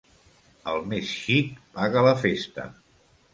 El més xic paga la festa.